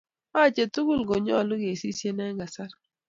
Achee tugul konyolu kesisye eng kasar.